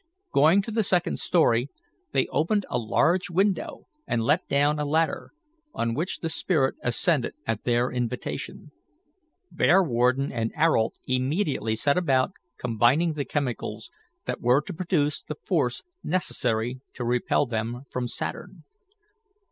Going to the second story, they opened a large window and let down a ladder, on which the spirit ascended at their invitation. Bearwarden and Ayrault immediately set about combining the chemicals that were to produce the force necessary to repel them from Saturn.